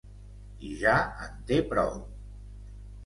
I ja en té prou.